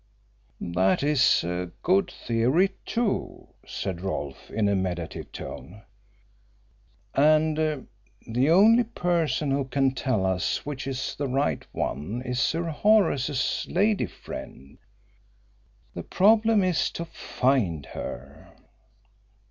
"That is a good theory, too," said Rolfe, in a meditative tone. "And the only person who can tell us which is the right one is Sir Horace's lady friend. The problem is to find her."